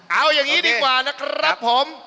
เอาอย่างนี้ดีกว่านะครับผม